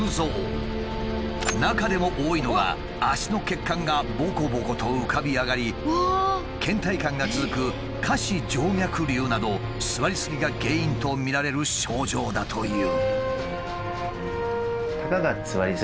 中でも多いのが脚の血管がボコボコと浮かび上がりけん怠感が続く下肢静脈瘤など座りすぎが原因とみられる症状だという。